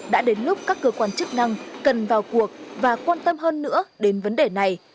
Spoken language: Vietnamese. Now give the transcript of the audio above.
đã đến lúc các cơ quan chức năng cần vào cuộc và quan tâm hơn nữa đến vấn đề này